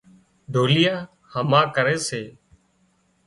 ڍوليئا هما ڪري سي